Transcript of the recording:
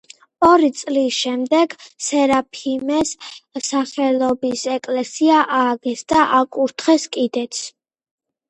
ორი წლის შემდეგ სერაფიმეს სახელობის ეკლესია ააგეს და აკურთხეს კიდეც.